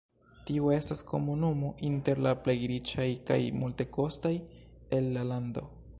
Tiu estas komunumo inter la plej riĉaj kaj multekostaj el la lando.